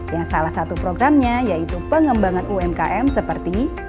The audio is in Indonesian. yang salah satu programnya yaitu pengembangan umkm seperti